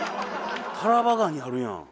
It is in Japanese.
タラバガニあるやん。